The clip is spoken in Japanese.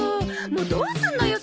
もうどうすんのよ